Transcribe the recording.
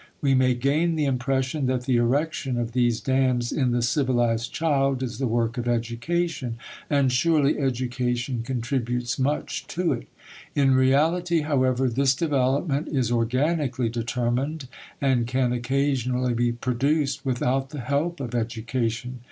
We may gain the impression that the erection of these dams in the civilized child is the work of education; and surely education contributes much to it. In reality, however, this development is organically determined and can occasionally be produced without the help of education.